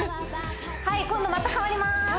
はい今度また変わります